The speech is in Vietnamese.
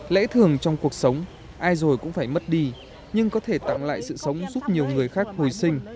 lễ thường trong cuộc sống ai rồi cũng phải mất đi nhưng có thể tặng lại sự sống giúp nhiều người khác hồi sinh